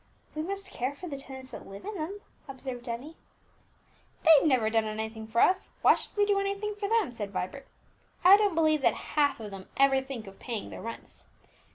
"We must care for the tenants that live in them," observed Emmie. "They've never done anything for us, why should we do anything for them?" said Vibert. "I don't believe that half of them ever think of paying their rents.